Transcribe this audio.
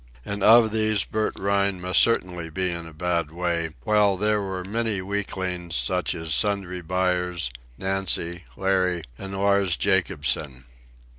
And of these Bert Rhine must certainly be in a bad way, while there were many weaklings, such as Sundry Buyers, Nancy, Larry, and Lars Jacobsen.